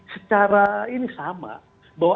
secara ini sama bahwa